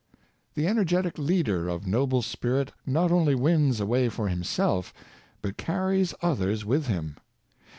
The energetic leader of noble spirit not only wins a way for himself, but carries others with him.